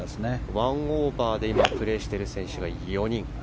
１オーバーでプレーしている選手が今、４人。